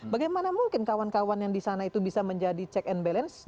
bagaimana mungkin kawan kawan yang di sana itu bisa menjadi check and balance